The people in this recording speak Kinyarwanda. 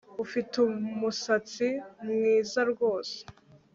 Ufite umusatsi mwiza rwose